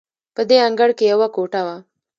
په دې انګړ کې یوه کوټه وه.